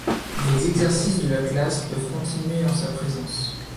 Les exercices de la classe peuvent continuer en sa présence.